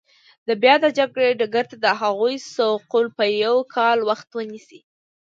د بیا د جګړې ډګر ته د هغوی سوقول به یو کال وخت ونیسي.